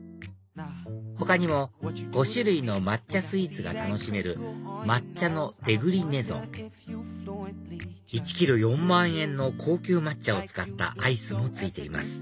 他にも５種類の抹茶スイーツが楽しめる抹茶のデグリネゾン１ｋｇ４万円の高級抹茶を使ったアイスも付いています